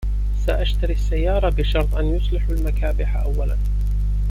.سأشتري السيارة بشرط أن يصلحوا المكابح أولاً